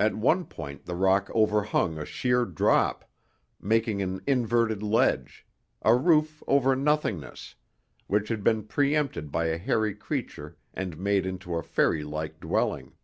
At one point the rock overhung a sheer drop, making an inverted ledge a roof over nothingness which had been pre empted by a hairy creature and made into a fairylike dwelling.